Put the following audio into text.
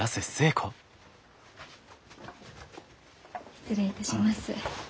失礼いたします。